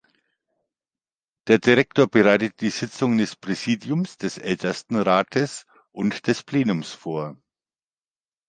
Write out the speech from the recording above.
Der Direktor bereitet die Sitzungen des Präsidiums, des Ältestenrates und des Plenums vor.